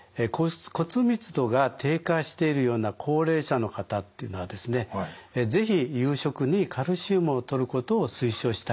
骨密度が低下しているような高齢者の方っていうのはですね是非夕食にカルシウムをとることを推奨したいと思いますね。